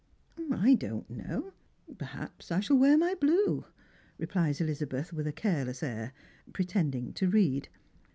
"I don't know; perhaps I shall wear my blue," replies Elizabeth, with a careless air, pretending to read.